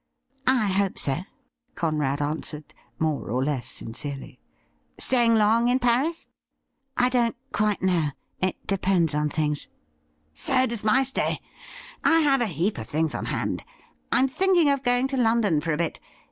' I hope so,' Conrad answered, more or less sincerely. ' Staying long in Paris .f * I don't quite know. It depends on things.' ' So does my stay. I have a heap of things on hand. Fm thinking of going to London for a bit.